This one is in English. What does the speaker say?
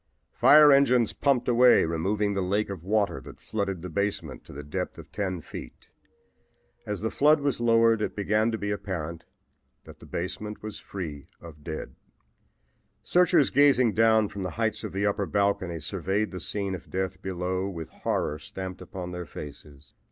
Fire engines pumped away removing the lake of water that flooded the basement to the depth of ten feet. As the flood was lowered it began to be apparent that the basement was free of dead. SURVEY SCENE WITH HORROR. "Searchers gazing down from the heights of the upper balcony surveyed the scene of death below with horror stamped upon their faces.